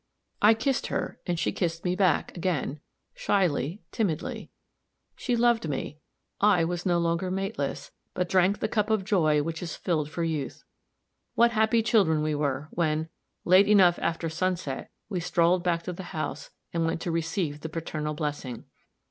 I kissed her, and she kissed me back again, shyly, timidly. She loved me; I was no longer mateless, but drank the cup of joy which is filled for youth. What happy children we were, when, late enough after sunset, we strolled back to the house and went to receive the paternal blessing!